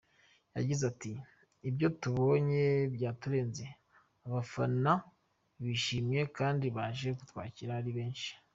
Yagize ati “Ibyo tubonye byaturenze, abafana bishimye kandi baje kutwakira ari benshi.